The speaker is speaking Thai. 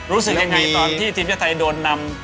รู้สึกยังไงตอนที่ทีมชาติไทยโดนนำ